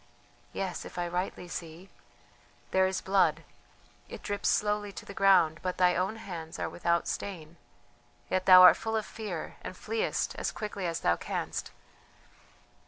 Yes, if I rightly see ... there is blood, it drips slowly to the ground, but thy own hands are without stain, yet thou art full of fear and fleest as quickly as thou canst.